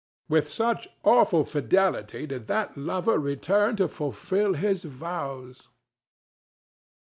With such awful fidelity did that lover return to fulfil his vows!